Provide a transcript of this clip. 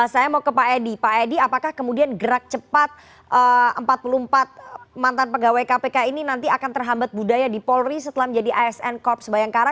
saya mau ke pak edi pak edi apakah kemudian gerak cepat empat puluh empat mantan pegawai kpk ini nanti akan terhambat budaya di polri setelah menjadi asn korps bayangkara